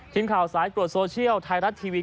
ทีมข่าวสายตรวจโซเชียลไทยรัฐทีวี